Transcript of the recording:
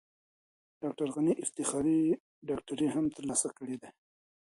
ډاکټر غني افتخاري ډاکټرۍ هم ترلاسه کړې دي.